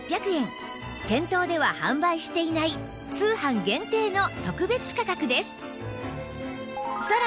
店頭では販売していない通販限定の特別価格です